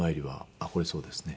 あっこれそうですね。